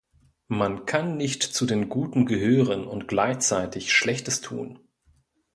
Man kann nicht zu den Guten gehören und gleichzeitig Schlechtes tun.